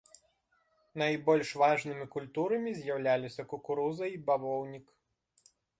Найбольш важнымі культурамі з'яўляліся кукуруза і бавоўнік.